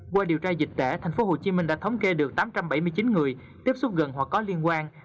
qua điều tra dịch tễ tp hcm đã thống kê được tám trăm bảy mươi chín người tiếp xúc gần hoặc có liên quan